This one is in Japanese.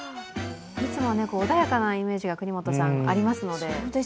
いつも穏やかなイメージがありますので。